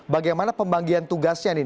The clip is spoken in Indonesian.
bagaimana pembagian tugasnya nih